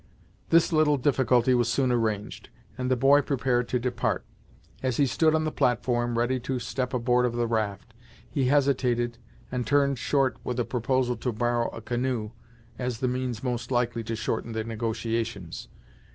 This little difficulty was soon arranged, and the boy prepared to depart. As he stood on the platform, ready to step aboard of the raft, he hesitated, and turned short with a proposal to borrow a canoe, as the means most likely to shorten the negotiations.